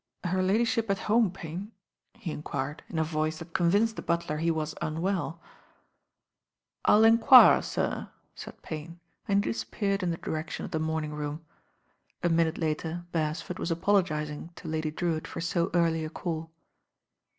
"Her ladyship at home, Payne?" he enquired in t voice that convinced the butler he was unwell. "I'll enquire, sir," said Payne, and he disappeared in the direction of the morning room. A minute later Beresford was apologising to Lady Drewitt for so early a call.